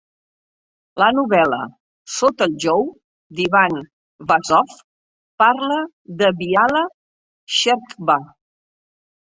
La novel·la "Sota el jou" d'Ivan Vazov parla de Byala Txerkva.